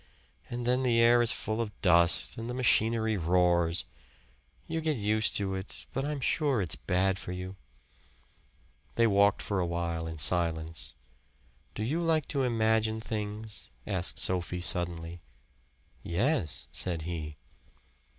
And then the air is full of dust and the machinery roars. You get used to it, but I'm sure its bad for you." They walked for a while in silence. "Do you like to imagine things?" asked Sophie suddenly. "Yes," said he.